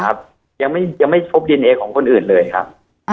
ครับยังไม่พบดีเอนเอของคนอื่นเลยครับ